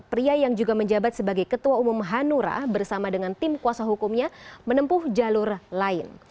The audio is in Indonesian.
pria yang juga menjabat sebagai ketua umum hanura bersama dengan tim kuasa hukumnya menempuh jalur lain